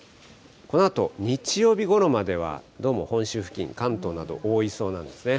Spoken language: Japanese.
このあと日曜日ごろまでは、どうも本州付近、関東など覆いそうなんですね。